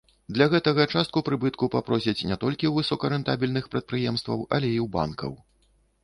Для гэтага частку прыбытку папросяць не толькі ў высокарэнтабельных прадпрыемстваў, але і ў банкаў.